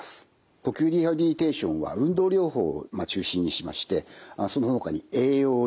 呼吸リハビリテーションは運動療法を中心にしましてそのほかに栄養療法